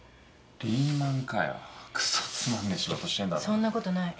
そんなことない。